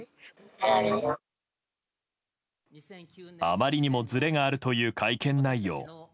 あまりにもずれがあるという会見内容。